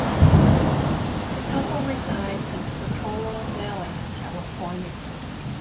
The couple resides in Portola Valley, California.